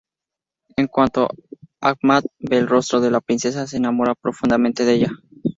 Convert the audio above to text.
En cuanto Ahmad ve el rostro de la princesa se enamora profundamente de ella.